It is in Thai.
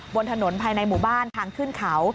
บนถนนภายในหมู่บ้านทางขึ้นเขา